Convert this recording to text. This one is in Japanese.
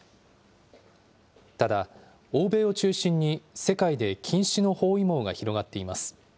ただ、欧米を中心に世界で禁止の包囲網が広がっています。